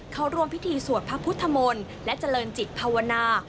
เขาร่วมพิธีสวดพระพุทธมนตร์และเจริญจิตภาวนา